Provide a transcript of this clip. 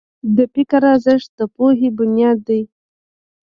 د فکر ارزښت د پوهې بنیاد دی.